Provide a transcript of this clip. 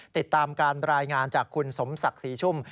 ติดตามการรายงานจากคุณสมศักดิ์ศรีชุ่ม